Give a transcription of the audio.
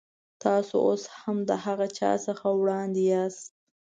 تاسو اوس هم د هغه چا څخه وړاندې یاست.